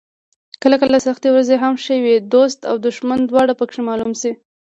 کله کله سختې ورځې هم ښې وي، دوست او دښمن دواړه پکې معلوم شي.